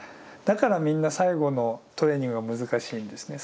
だからみんな最後のトレーニングは難しいんですね。